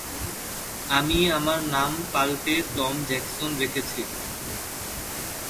আমি আমার নাম পাল্টে টম জ্যাকসন রেখেছি।